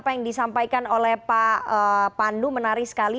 apa yang disampaikan oleh pak pandu menarik sekali